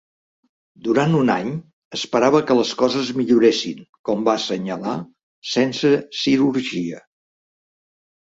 Durant un any, esperava que les coses milloressin, com va assenyalar, sense cirurgia.